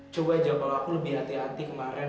coba jawab kalau aku lebih hati hati kemarin